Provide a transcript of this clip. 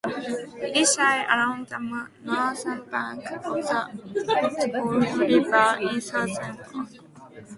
It lies along the northern banks of the Ohio River in southern Ohio.